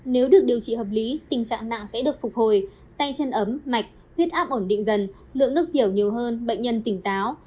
nếu được điều trị hợp lý tình trạng nặng sẽ được phục hồi tay chân ấm mạch huyết áp ổn định dần lượng nước tiểu nhiều hơn bệnh nhân tỉnh táo